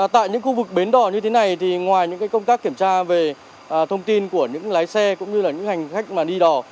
tại những khu vực bến đỏ như thế này thì ngoài những công tác kiểm tra về thông tin của những lái xe cũng như là những hành khách mà đi đò